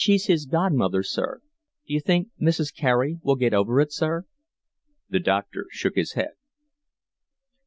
"She's his godmother, sir. D'you think Mrs. Carey will get over it, sir?" The doctor shook his head.